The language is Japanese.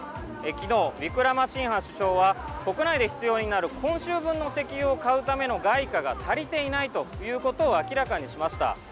きのうウィクラマシンハ首相は国内で必要になる今週分の石油を買うための外貨が足りていないということを明らかにしました。